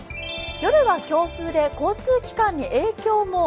夜は強風で交通機関に影響も。